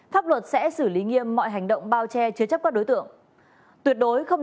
pháp luật sẽ xử lý nghiêm mọi hành động bao trình